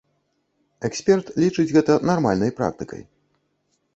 Эксперт лічыць гэта нармальнай практыкай.